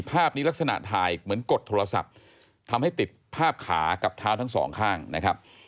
ภาพนี้ลักษณะถ่ายเหมือนกดโทรศัพท์ทำให้ติดภาพขากับเท้าทั้งสองข้างนะครับ